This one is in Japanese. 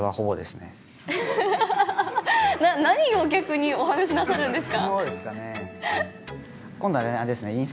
何を逆にお話なさるんですか？